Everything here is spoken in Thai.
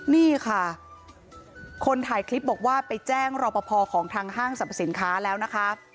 นี่ค่ะคนถ่ายคลิปบอกว่าไปแจ้งรอปภของทางห้างสรรพสินค้าแล้วนะคะ